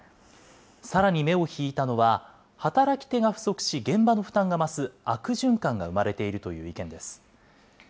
さらに目を引いたのは、働き手が不足し、現場の負担が増す悪循環が生まれているという意見です。